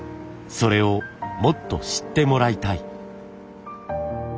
それをもっと知ってもらいたい。